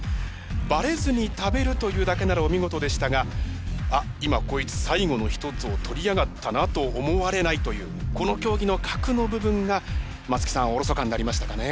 ばれずに食べるというだけならお見事でしたがあっ今こいつ最後の一つを取りやがったなと思われないというこの競技の核の部分が松木さんおろそかになりましたかね。